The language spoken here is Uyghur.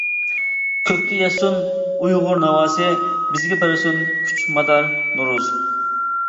كۆككە يەتسۇن ئۇيغۇر ناۋاسى، بىزگە بەرسۇن كۈچ-مادار نورۇز.